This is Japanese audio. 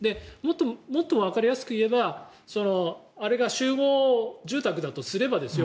もっとわかりやすく言えばあれが集合住宅だとすればですよ